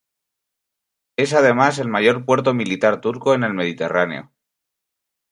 Es además el mayor puerto militar turco en el Mediterráneo.